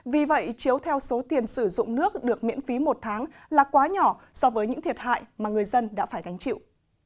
vì vậy chiếu theo số tiền sử dụng nước được miễn phí một tháng là quá nhỏ so với những thiệt hại mà người dân đã phải gánh chịu